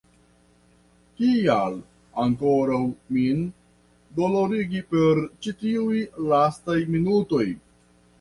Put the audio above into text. Kial ankoraŭ min dolorigi per ĉi tiuj lastaj minutoj?